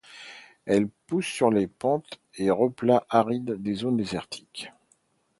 Elle pousse sur les pentes et replats arides des zones désertiques.